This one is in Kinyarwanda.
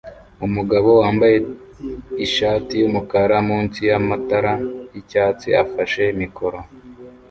Umugabo wambaye ishati yumukara munsi yamatara yicyatsi afashe mikoro